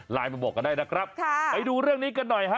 มาบอกกันได้นะครับค่ะไปดูเรื่องนี้กันหน่อยฮะ